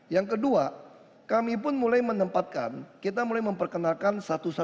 yang kedua kami pun mulai menempatkan kita mulai memperkenalkan satu ratus dua belas